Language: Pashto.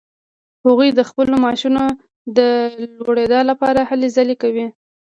هغوی د خپلو معاشونو د لوړیدا لپاره هلې ځلې کوي.